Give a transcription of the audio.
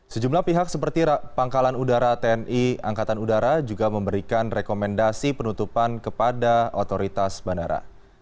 sejumlah pihak seperti pangkalan udara tni angkatan udara juga memberikan rekomendasi penutupan kepada otoritas bandara